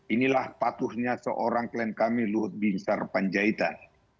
inilah patuhnya seorang klien kami luhut binitar penjaitan